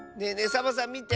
サボさんみて。